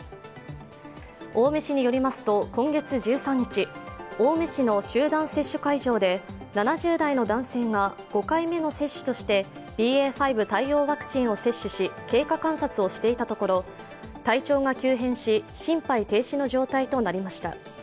青梅市によりますと今月１３日、青梅市の集団接種会場で７０代の男性が５回目の接種としてＢＡ．５対応ワクチンを接種し、経過観察をしていたところ体調が急変し、心肺停止の状態となりました。